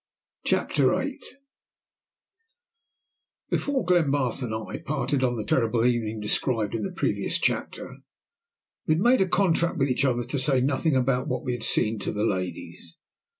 CHAPTER VIII Before Glenbarth and I parted on the terrible evening described in the previous chapter, we had made a contract with each other to say nothing about what we had seen to the ladies.